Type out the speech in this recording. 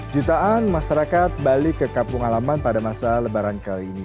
jutaan masyarakat balik ke kampung alaman pada masa lebaran kali ini